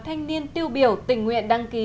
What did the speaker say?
thanh niên tiêu biểu tình nguyện đăng ký